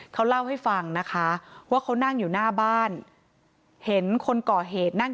เขาเล่าให้ฟังนะคะว่าเขานั่งอยู่หน้าบ้านเห็นคนก่อเหตุนั่ง